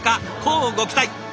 乞うご期待！